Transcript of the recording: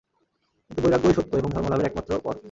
কিন্তু বৈরাগ্যই সত্য এবং ধর্মলাভের একমাত্র পথ।